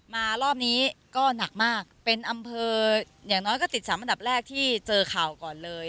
รอบนี้ก็หนักมากเป็นอำเภออย่างน้อยก็ติด๓อันดับแรกที่เจอข่าวก่อนเลย